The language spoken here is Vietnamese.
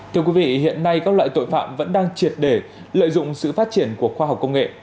thưa quý vị hiện nay các loại tội phạm vẫn đang triệt để lợi dụng sự phát triển của khoa học công nghệ